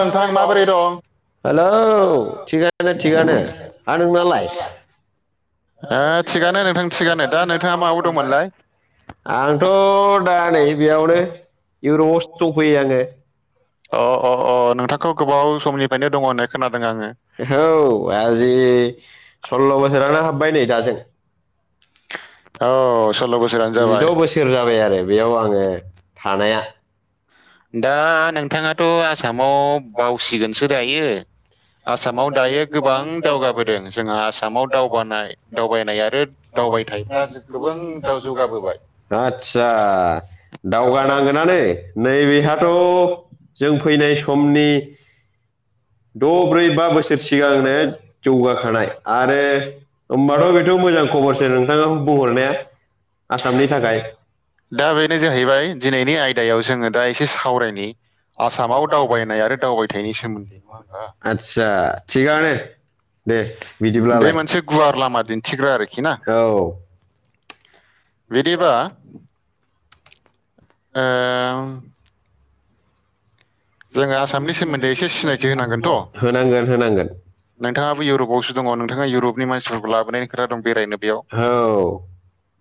नोंथां माबोरै दं? हेलौ थिगानो-थिगानो हा नोंनालाय? आं थिगानो नोंथां थिगानो दा नोंथाङा माबायाव दंमोनलाय? आंथ' दा नै बेयावनो इउरुपआवसो दंफैयो आङो। अ अ अ नोंथांखौ गोबाव समनिफ्रायनो दङ होननाय खोनादों आङो औ आजि सल्ल' बसोरानो [unintelligible] औ हबाय सल्ल' बोसोरानो जाबाय। [unintelligible] दा नोंथाङाथ' आसामाव बावसिगोनसो दायो। आसामाव दायो गोबां दावगाबोदों जोंहा आसामाव दागबानाय दावबायनायानो दावबायनाय गासै गोबांथार जौगाहोबाय आदसा दावगानांगोनानो नैबेहाथ' जों फैनाय समनि द' ब्रै बा बोसोर सिगांनो जौगाखानाय आरो होमबाथ' बेथ' मोजां खबरसो नोंथाङा बुंहरनाया दा बेनो जाहैबाय दिनैनि आयदायाव जोङो दा एसे सावरायनि आसामाव दावबायनाय आरो दावबायनायनि सोमोन्दै नङा होनब्ला आदसा थिगानो दे बिदिब्लालाय मोनसे गुवार लामा दिन्थिग्रा आरो ना औ बिदिबा ओम जोङो आसामनि सोमोन्दै एसे सिनायथि होनांगोनथ' नोंथाङाबो इउरपआवसो दङ नोंथाङा इउरपनि मानसिफोरखौ लाबोनायनि खोथा दं बेरायनो बेयाव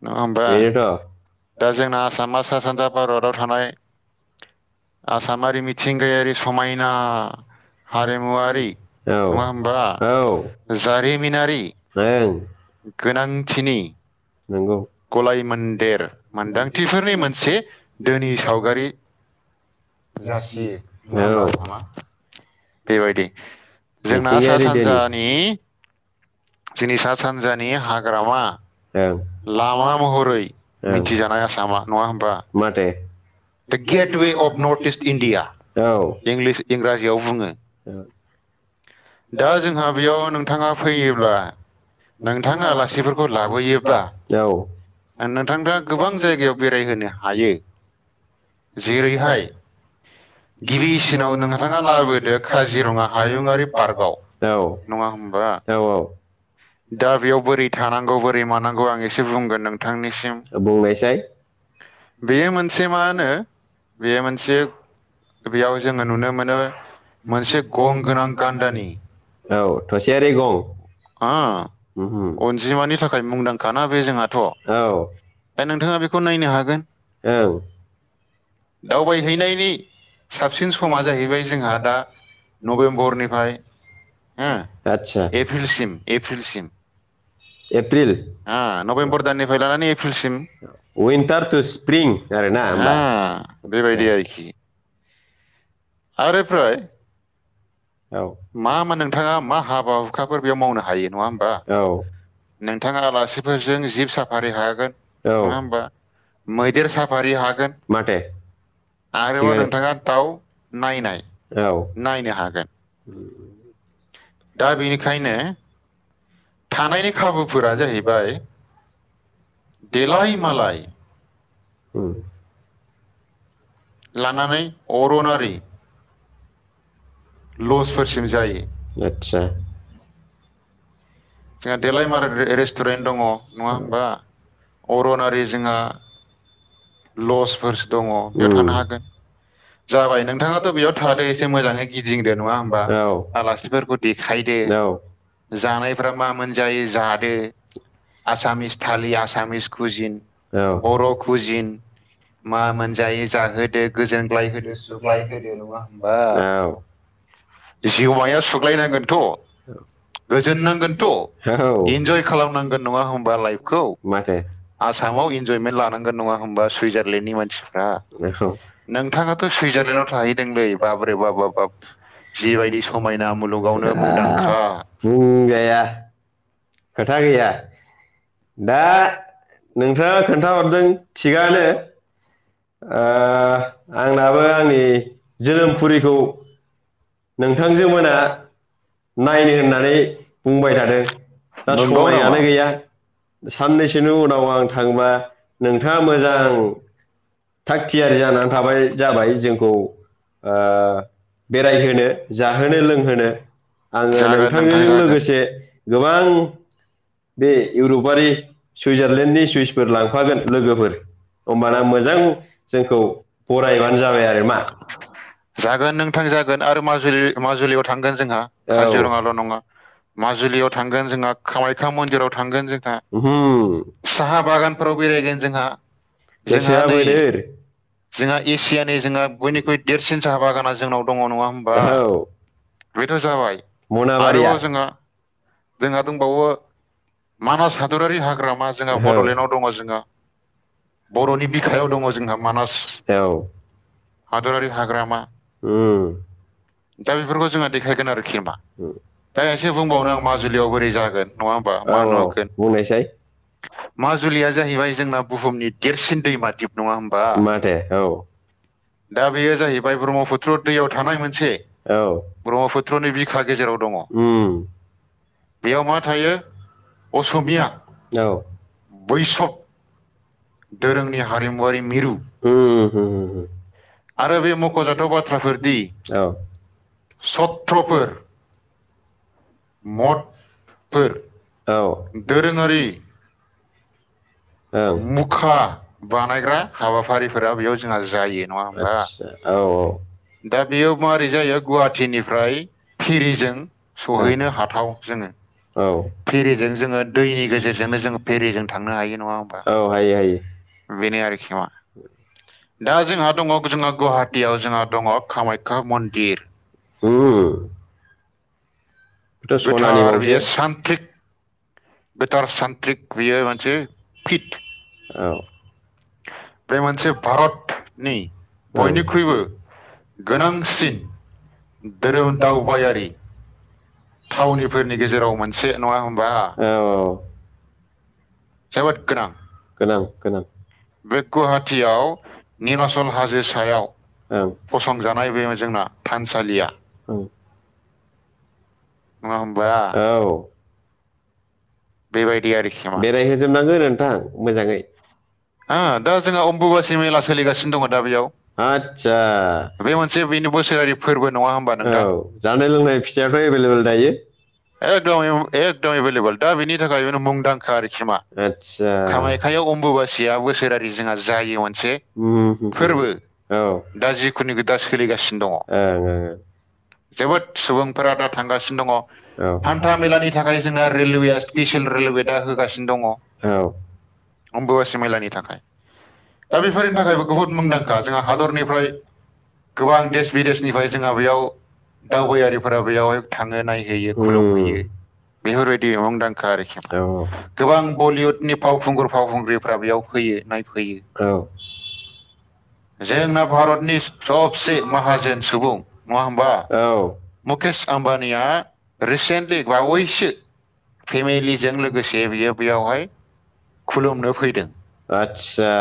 नङा होमबा दा जोंना आसामा सा सानजा भारताव थानाय आसामारि मिथिंगायारि समायना हारिमुवारि नङा होमबा जारिमिनारि गोनांथिनि गलायमोनन्देर मोनदांथिफोरनि मोनसे धोनि सावगारि जासियो नङा होमबा सामा मिथिंगायारि धोनि सा सानजानि हाग्रामा लामा महरै मिथि जानाय आसामा नङा होमबा रगेट इउट अप नरटिसनि भिगा औ [unintelligible] औ दा जोंहा बेयाव नोंथाङा फैयोब्ला नोंथांआ आलासिफोरखौ लाबोयोब्ला नोंथांआ गोबां जायगायाव बेरायहोनो हायो जेरैहाय गिबिसिनाव नोंथाङा लाबोदो काजिरङा हायुङारि‌ फा पार्काव नङा होमबा दा बेआव बोरै थानांगौ बोरै मानांगौ आं एसे बुंगोन नोंथांनिसिम बेयो मोनसे मा होनो बेयो मोनसे बेयाव जोङो नुनो मोनो मोनसे गं गोनां गान्दानि आ अनजिमानि थाखाय मुंदांखााना बे जोंहाथ' दा नोंथाङा बेखौ नायनो हागोन दावबायहैनायनि साबसिन समा जाहैबाय जोंहा दा नभेम्बरनि आतसा एप्रिल उन्टार टु स्प्रिं आरो ना होमबा आदसा आरो फ्राय औ मा मा नोंथाङा मा हाबा हुखाफोर बे मावनो हायो नङा हबा औ नोंथाङा आलासिफोरजों जिब साफारि खालामगोन औ मैदेर साफारि हागोन माथो थिगानो आरो नोंथांआ दाउ नायनाय औ नायनो हागोन दा बेनिखायनो हानायनि खाबुफोरा जाहैबाय देलाय मालाय लानानै अरनारि आ [inaudible] ना देलाय मालाय हजों रेस्तुरेन्त दङो अरनारि जोंहा लसबोस दं जाबाय नोंथाङाथ' बेयाव थारै इसे मोजाङै गिदिंदो नङा होमबा औ आलासिफोरखौ देखायदों औ जानायफ्रा मा मोन जायो जायो आसामिस थालि आसामिस फुजि औ बर' फुजि मा मोनजायो जाहोदो गोजोन [unintelligible] सुग्लाय होदो नङा होमबा औ जिउमाया' सुग्लाय नांगोन थ'। गोजोन नांगोन थ' औ इनजय खालामनांगोन नङा होनबा लाइफखौ माथो। आसामाव इन्जयमेन्ट लानांगोन नङा होनबा सुइजारलेण्डनि मानसिफ्रा औ नोंथाङाथ' सुइजारलेण्डआव थाहैनायमोन [unintelligible] बाब्रे बाब बाब। जिबायदि समायना मुलुगाव हाब बुंजाया। खोथा गैया दा। नोंथाङा खोन्था हरदों थिगानो। ओ आंनाबो आंनि जोनोमफुरिखौ। नोंथांजो मोना नायनो होननानै बुंबाय थादों दा समायानो गैया। साननैसोनि उनाव आं थांबा नोंथाङा मोजां। थाग थियारि जानानै थाबाय जाबाय जोंखौ ओ बेरायहोनो जाहोनो लोंहोनो। आङो नोंथांजों लोगोसे गोबां बे इउरपारि सुइजारलेण्डनि सुइसफोर लांफागोन लोगोफोर। होमबाना मोजां जोंखौ बरायबानो जाबाय आरो ना? जागोन नोंथां जागोन आरो माजुलि माजुलियाव थांगोन जोंहा काजिरङाल' नङा। माजुलियाव थांगोन जोंहा खामाय ख्या मन्दिराव थांगोन जोंहा साहा बागानफोराव बेरायगोन जोंहा। जोंहा नै जोंहा एसियानि जोंहा बयनिख्रुइ देरसिन साहा बागाना जोंनाव दङ नङा होमबा? बेथ' जाबाय आरोबाव जोहा जोंहा दंबावो। मानास हादरारि हाग्रामा औ जों दङ जोंहा। बर'नि बिखायाव दङ जोंहा मानास औ। हादरारि हाग्रामा उम। दा बेफोरखौ जोंङो देखायगोन आरोखि उम दा एसे बुंबाव [unintelligible] जुलियाव बोरै जागोन औ औ बुंनायसाय माजुलिया जाहैबाय जोंना बुहुमनि देरसिन दैमा दिप नङा होमबा माथो औ। दा बेयो जाहैबाय ब्रह्मपुत्र दैयाव थानाय मोनसे औ ब्रह्मपुत्रनि बिखा गेजेर [unintelligible] उम बेयाव मा थायो असमीया औ बैशब। धोरोमनि हारिमु आरि मु उम हम उम आरो बे मख'जाथाव बाथ्राफोरदि औ। [unintelligible] [unintelligible] औ [unintelligible] दोरोंङारि। औ मुखा बानायग्रा हाबाफारिफोरा [unintelligible] जायो आच्छा औ [unintelligible] दा बेयो मारै जायो गुवाहाटीनिफ्राय खिरिजों औ सफैनो हाथाव [unintelligible] औ एरिजों जोङो दैनि गेजेरजोंनो जों एरिजों थांनो हायो। औ हायो हायो। [inaudible] दा जोंहा दंङ जोंहा गुवाहाटियाव जोंहा दङ कामाख्या मन्दिर उम। बेथ' सनानि बावसो। [unintelligible] गोथार सान्थि [unintelligible] औ बे मोनसे भारतनि बयनिख्रुइबो गोनांसिन धोरोम दावबायारि टाउनफोरनि गेजेराव मोनसे नङा होनबा औ औ। जोबोद गोनां। गोनां गोनां बे गुवाहाटियाव निमाचल हाजो सायाव । औ फसंथानाय बे मोनसे मा थानसालिया औ। [inaudible] औ। बेरायहोजोबनांगोन नोंथां मोजाङै । दा जोंहा अंग'बासि मेला सोलिगासिनो दङ दा बेयाव आसा बे मोनसे औ जानाय लोंनाय फिथाइयाथ' एभेलेबेल दायो? एकदम ए एकदम एभेलेबेल । [unintelligible] आतसा । उम हु हु औ [unintelligible] ओं ओं। जोबोद सुबुंफोरा दा थांगासिनो दङ हान्था मेलानि थाखाय जोंहा रेलवेस स्टेसन रेलवे दा होगासिनो दङ [unintelligible] दा बेफोरनि थाखायबो बुहुत मुंदांखा जोंहा हादरनिफ्राय गोबां देश बिदेशनिफ्राय जोंहा बेयाव दावबायारिफोरा बेयावहाय थांङो नायहैयो । बेफोरबायदि मुंदां गोबां बलिउडनि फावखुंगुर फावखुंग्रिफ्रा बेयाव फैयो नायफैयो । [unintelligible] जोंना भारतनि सबसे माहाजोन सुबुं नङा होमबा मुकेश आम्बानिया रिसेन्टलि बावैसो भेमेलि जों लोगोसे बियो बेयावहाय [unintelligible] आतसा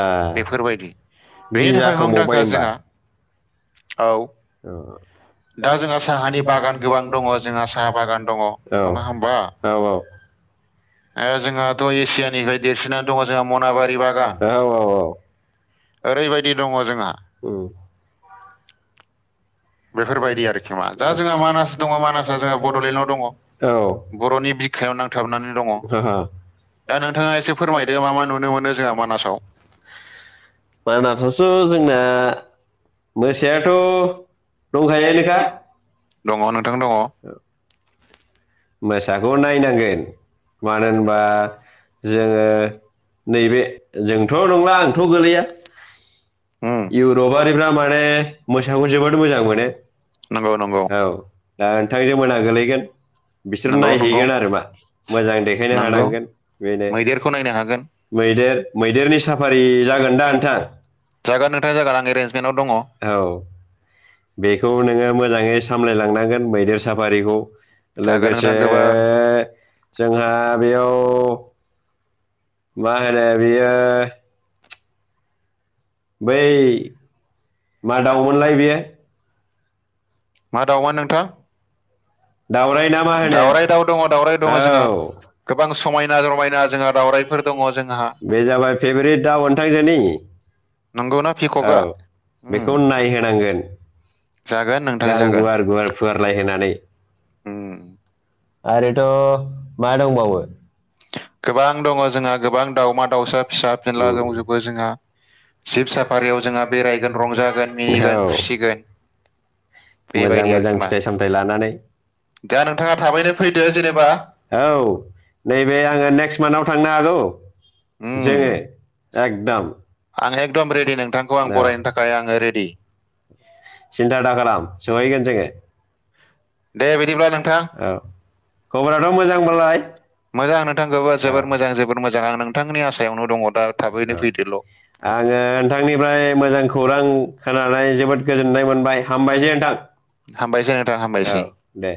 [unintelligible] बिदि जाखांबावबाय होमबा । औ दा जों साहा बागान गोबां दङ जोंहा साहा बागान दङ नङा? औ औ औ । आरो जोंहाथ' एसियानिफ्राय देरसिनानै दङ जोंहा मनाबारि बागान औ औ औ । ओैरैबायदि दं जोंहा। बेफोरबायदि आरोखि मा । दा जोंहा मानास दङ मानासा जोंहा बड'लेण्डआव दङ औ बर'नि बिखाया नांथाबनानै दङ । ओ दा नोंथाङा एसे फोरमायदो मा मा नुनो मोनो जोंहा मानासाव। मानाथ'स' जोंना मोसायाथ' दंखायो नोखा । दङ नोंथां दङ । मोसाखौ नायनांगोन मानो होनबा जोङो नैबे जोंथ' नंला आंथ' गोलैया इउरपारिफा माने मोसाखौ जोबोद मोजां मोनो । औ दा नोंथांजों मोना गोलैगोन बिसोर नायहैगोन आरो मा मोजां देखायनो हानांगोन बेनो मैदेर मैदेरनि साफारि जागोन दा नोंथां? [unintelligible] औ बेखौ नोङो मो मोजाङै सामलायलांनांगोन मैदेर साफारिखौ लोगोसे जोंहा बेयाव माहोनो बियो बै मा दाउ मोनलाय बेयो? मा दाउ आ नोंथां? दावराय दाउ दङ दावराय दङ जोंना । गोबां समायना जायना बे जाबाय फेभरेट दा नोंथां जोनि औ बेखौ नायहोनांगोन जागोन नों गां गुवार गुवार फुवारलायहोनानै होम आरोथ' मा दंबावो गोबां दङ जोंहा गोबां दावमा दावसा फिसा फिनला दंजोबो जोंहा जिब साफानायाव जोंहा बेरायगोन रंजागोन मोजां मोजां फिथाइ सामथाइ लानानै दा नोंथाङा थाबैनो फैदो जेनेबा औ नैबे आङो नेक्स मानाव थांनो हागौ जोङो एकदम आं एकदम रेदि नोंथांखौ आं औ थाखाय रेदि सिन्था दा खालाम सोहैगोन जोङो दे बिदिब्ला नोंथां औ खबराथ' मोजांब्लालाय मोजां नोंथांखौबो जोबोर मोजां जोबोर मोजां आं नोंथांनि आसायावनो दङ दा थाबैनो फैदोल' [unintelligible] जोबोद गोजोन्नाय मोनबाय हामबाय दे [unintelligible] हामबाय जेनेतार हामबासै औ दे